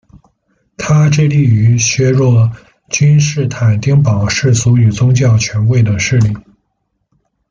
他致力于削弱君士坦丁堡世俗与宗教权贵的势力。